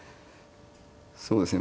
そうですね